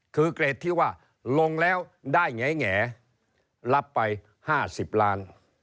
คือเกรดที่ว่าลงแล้วได้แง่รับไป๕๐ล้าน